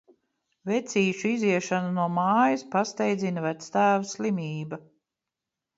Vecīšu iziešanu no mājas pasteidzina vectēva slimība.